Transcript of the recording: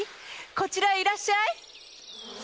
こちらへいらっしゃい！